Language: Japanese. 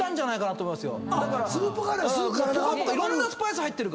いろんなスパイス入ってる。